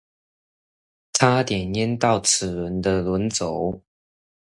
差點淹到齒輪的輪軸